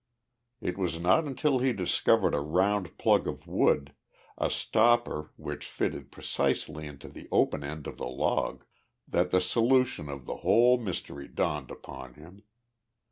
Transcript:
It was not until he discovered a round plug of wood a stopper, which fitted precisely into the open end of the log that the solution of the whole mystery dawned upon him.